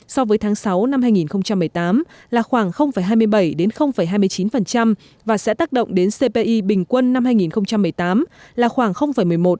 so với tháng sáu năm hai nghìn một mươi tám là khoảng hai mươi bảy hai mươi chín và sẽ tác động đến cpi bình quân năm hai nghìn một mươi tám là khoảng một mươi một